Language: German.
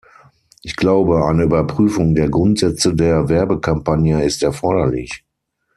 Ich glaube, eine Überprüfung der Grundsätze der Werbekampagne ist erforderlich.